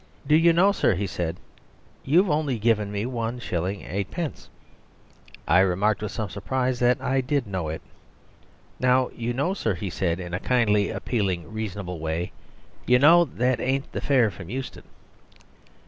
"Do you know, sir," he said, "you've only given me 1s.8d?" I remarked, with some surprise, that I did know it. "Now you know, sir," said he in a kindly, appealing, reasonable way, "you know that ain't the fare from Euston."